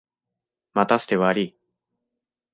待たせてわりい。